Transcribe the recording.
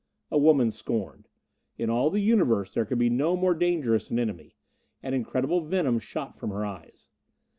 A woman scorned! In all the Universe there could be no more dangerous an enemy. An incredible venom shot from her eyes.